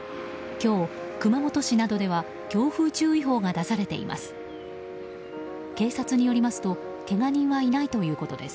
今日、熊本市などでは強風注意報が出されています。